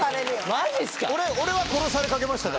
マジっすか？